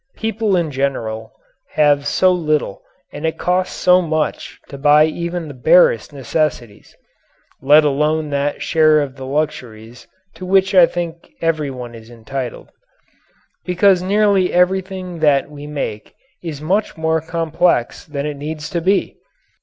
People in general have so little and it costs so much to buy even the barest necessities (let alone that share of the luxuries to which I think everyone is entitled) because nearly everything that we make is much more complex than it needs to be.